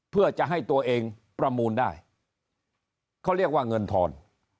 เพื่อจะให้ตัวเองประมูลได้เขาเรียกว่าเงินทอน